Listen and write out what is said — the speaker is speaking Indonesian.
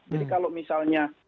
jadi kalau misalnya